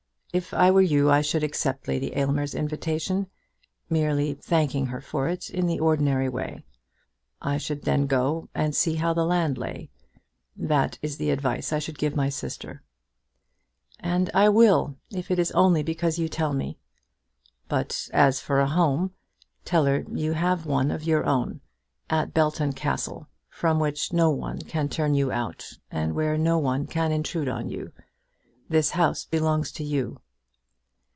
If I were you I should accept Lady Aylmer's invitation, merely thanking her for it in the ordinary way. I should then go and see how the land lay. That is the advice I should give my sister." "And I will, if it is only because you tell me. "But as for a home, tell her you have one of your own, at Belton Castle, from which no one can turn you out, and where no one can intrude on you. This house belongs to you."